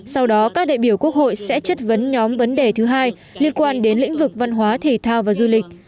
sau đó các đại biểu quốc hội sẽ chất vấn nhóm vấn đề thứ hai liên quan đến lĩnh vực văn hóa thể thao và du lịch